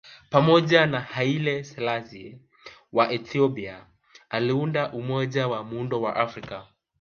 Pamoja na Haile Selassie wa Ethiopia aliunda Umoja wa Muungano wa Afrika